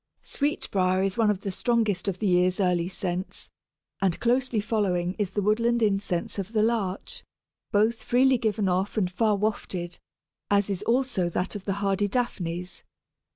Sweetbriar is one of the strongest of the year's early scents, and closely following is the woodland incense of the Larch, both freely given off and far wafted, as is also that of the hardy Daphnes.